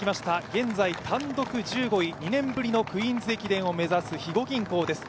現在単独１５位、２年ぶりのクイーンズ駅伝を目指す肥後銀行です。